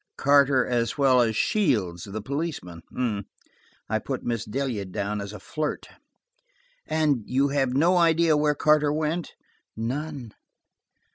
Carter as well as Shields, the policeman. I put Miss Delia down as a flirt. "And you have no idea where Carter went?" "None."